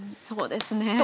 そうですね。